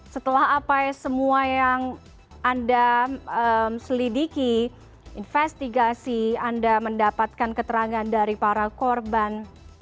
setelah apa semua yang anda selidiki investigasi anda mendapatkan keterangan dari para korban